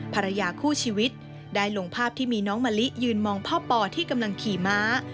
ภรรยาคู่ชีวิตได้ลงภาพที่มีน้องมะลิยืนมองพ่อปอที่กำลังขี่ม้า